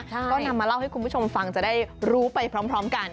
ก็นำมาเล่าให้คุณผู้ชมฟังจะได้รู้ไปพร้อมกัน